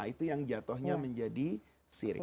itu yang jatuhnya menjadi siri